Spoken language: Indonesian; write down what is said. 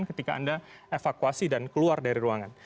ketika anda evakuasi dan keluar dari ruangan